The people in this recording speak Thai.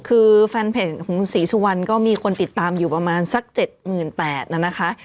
คือแฟนเพลงของศรีสุภัณฑ์ก็มีคนติดตามอยู่ประมาณสัก๗๘๐๐๐นะนะคะ